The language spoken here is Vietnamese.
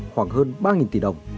khoảng hơn ba tỷ đồng